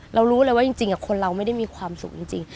รู้เลยว่าจริงคนเราไม่ได้มีความสุขจริง